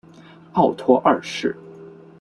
奥托二世。